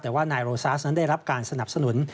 แต่ว่านายโรซาสนั้นได้รับการสนับสนุน